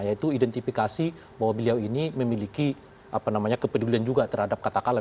yaitu identifikasi bahwa beliau ini memiliki kepedulian juga terhadap katakanlah